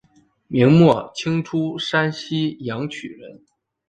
明末清初山西阳曲人。